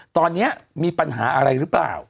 ตอนนี้มีปัญหาอะไรหรือเปล่า